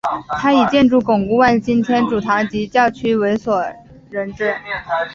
他以建设巩固万金天主堂及其教区为人所知。